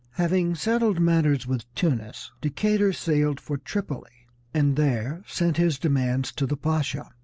Having settled matters with Tunis, Decatur sailed for Tripoli, and there sent his demands to the Pasha.